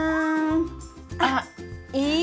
あっいい！